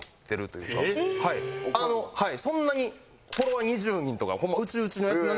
そんなにフォロワー２０人とかホンマ内々のやつなんですけど。